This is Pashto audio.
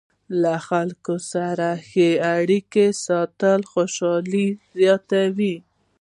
له خلکو سره ښې اړیکې ساتل خوشحالي زیاتوي.